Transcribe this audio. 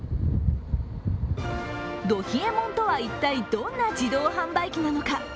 ど冷えもんとは一体どんな自動販売機なのか。